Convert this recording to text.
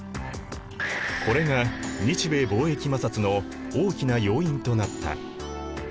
これが日米貿易摩擦の大きな要因となった。